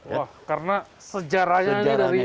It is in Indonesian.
wah karena sejarahnya dari awalnya sudah ada ini ya